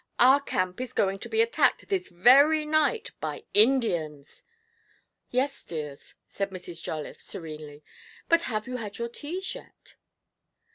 Our camp is going to be attacked this very night by Indians!' 'Yes, dears,' said Mrs. Jolliffe, serenely; 'but have you had your teas yet?'